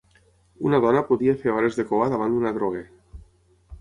Una dona podia fer hores de cua davant un adroguer